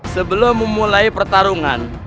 sebelum memulai pertarungan